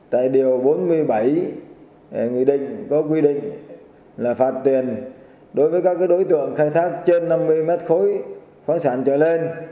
tại điều bốn mươi bảy nghị định có quy định là phạt tiền đối với các đối tượng khai thác trên năm mươi mét khối khoáng sản trở lên